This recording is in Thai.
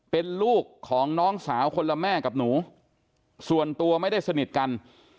เป็นลูกของน้องสาวคนละแม่กับหนูส่วนตัวไม่ได้สนิทกัน